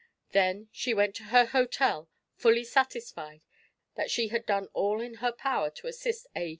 Then she went to her hotel fully satisfied that she had done all in her power to assist A.